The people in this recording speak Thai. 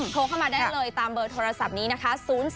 โทรเข้ามาได้เลยตามเบอร์โทรศัพท์นี้นะคะ